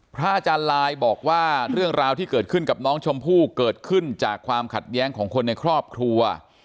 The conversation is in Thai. พระอาจารย์ลายบอกว่าเรื่องราวที่เกิดขึ้นกับน้องชมพู่เกิดขึ้นจากความขัดแย้งของคนในครอบครัว